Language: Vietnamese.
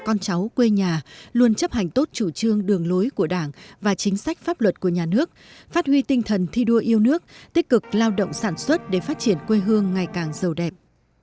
con cháu quê nhà luôn chấp hành tốt chủ trương đường lối của đảng và chính sách pháp luật của nhà nước phát huy tinh thần thi đua yêu nước tích cực lao động sản xuất để phát triển quê hương ngày càng giàu đẹp